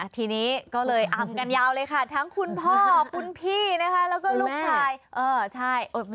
ทีนี้ก็เลยอำกันยาวเลยค่ะทั้งคุณพ่อคุณพี่นะคะแล้วก็ลูกชาย